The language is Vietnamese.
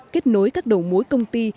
kết nối các đầu mối công ty